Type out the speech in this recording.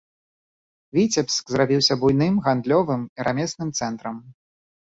Віцебск зрабіўся буйным гандлёвым і рамесным цэнтрам.